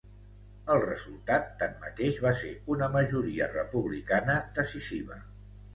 El resultat, tanmateix, va ser una majoria Republicana decisiva.